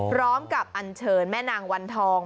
พร้อมกับอันเชิญแม่นางวันทอง